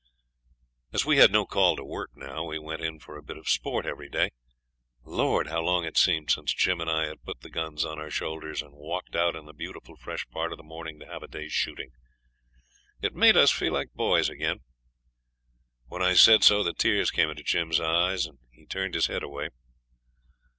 As we had no call to work now, we went in for a bit of sport every day. Lord! how long it seemed since Jim and I had put the guns on our shoulders and walked out in the beautiful fresh part of the morning to have a day's shooting. It made us feel like boys again. When I said so the tears came into Jim's eyes and he turned his head away.